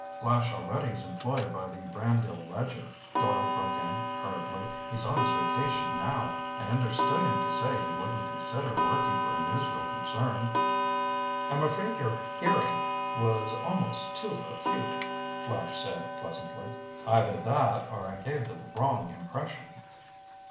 "Flash already is employed by the Brandale Ledger," Doyle broke in hurriedly. "He's on his vacation now. I understood him to say he wouldn't consider working for a newsreel concern." "I'm afraid your hearing was almost too acute," Flash said pleasantly. "Either that or I gave the wrong impression."